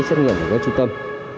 xét nghiệm của các trung tâm